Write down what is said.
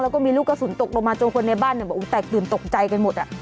แล้วก็มีลูกกระสุนตกลงมาจนคนในบ้านบอกแตกตื่นตกใจกันหมด